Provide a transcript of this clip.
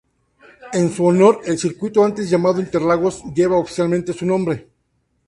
En su honor, el circuito antes llamado Interlagos lleva oficialmente su nombre.